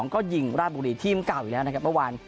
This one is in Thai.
ก็ยิงราชบุรีทีมเก่าอยู่แล้วนะครับเมื่อวาน